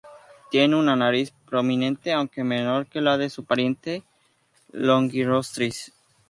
Tiene una nariz prominente, aunque menor que la de su pariente "F. longirostris".